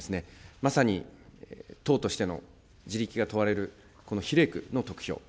まさに党としての地力が問われる、この比例区の得票。